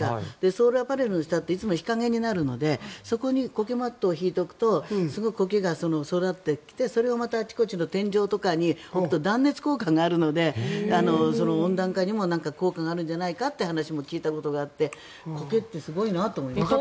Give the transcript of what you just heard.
ソーラーパネルの下はいつも日陰になるのでそこにコケマットを敷いておくとすごくコケが育ってきてそれをまたあちこちの天井とかに置くと断熱効果があるので温暖化にも効果があるんじゃないかという話を聞いたことがあってコケってすごいなと思いました。